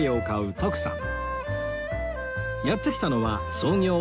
徳さん